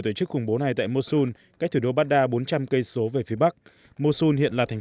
tổ chức khủng bố này tại mosul cách thủ đô baghdad bốn trăm linh km về phía bắc mosul hiện là thành